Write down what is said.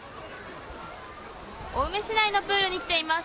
青梅市内のプールに来ています。